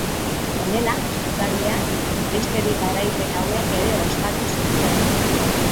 Honela, zutabeak, beste bi garaipen hauek ere ospatu zituen.